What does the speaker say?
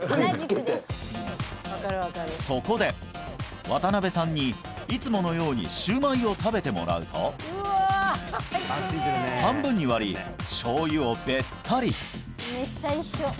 そこで渡辺さんにいつものようにシューマイを食べてもらうと半分に割り醤油をべったり